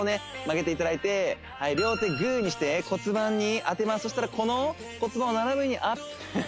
曲げていただいて両手グーにして骨盤に当てますそうしたらこの骨盤を斜めにアップ